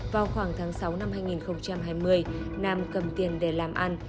vào khoảng tháng sáu năm hai nghìn hai mươi nam cầm tiền để làm ăn